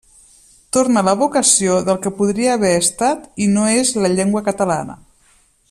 Torna l'evocació del que podia haver estat i no és la llengua catalana.